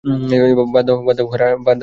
বাদ দাও, হারানো দুনিয়ার পথে!